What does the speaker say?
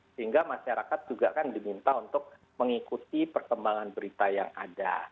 sehingga masyarakat juga kan diminta untuk mengikuti perkembangan berita yang ada